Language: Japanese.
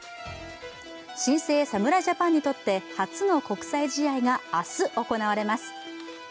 新生・侍ジャパンにとって初の国際試合が明日、行われます。